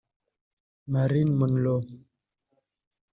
Marilyn Monroe